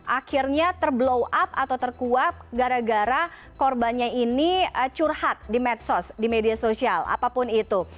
akhirnya terblow up atau terkuat gara gara korbannya ini curhat di medsos di media sosial apapun itu